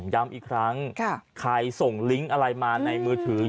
ย้ำอีกครั้งใครส่งลิงก์อะไรมาในมือถือ